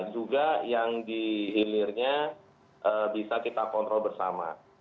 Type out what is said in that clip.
juga yang di hilirnya bisa kita kontrol bersama